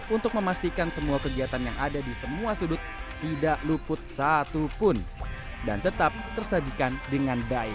untuk memastikan semua kegiatan yang ada di semua sudut tidak luput satu pun dan tetap tersajikan dengan baik